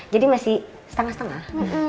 jadi masih setengah setengah